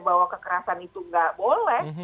bahwa kekerasan itu nggak boleh